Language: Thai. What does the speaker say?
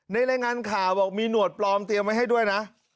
รายงานข่าวบอกมีหนวดปลอมเตรียมไว้ให้ด้วยนะ